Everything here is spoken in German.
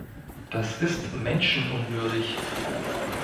Das ist menschenunwürdig.